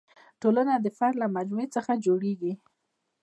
ټولنه د فرد له مجموعې څخه جوړېږي.